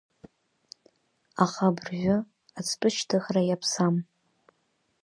Аха абыржәы ацҭәы шьҭыхра иаԥсам.